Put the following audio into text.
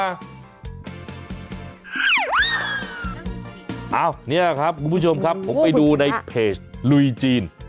อันนี้ครับคุณผู้ชมครับผมไปดูในเพจลุยจีน